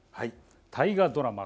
大河ドラマ